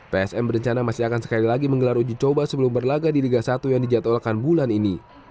psm berencana masih akan sekali lagi menggelar uji coba sebelum berlaga di liga satu yang dijadwalkan bulan ini